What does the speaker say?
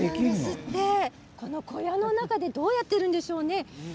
この小屋の中でどうやってやっているんでしょうね。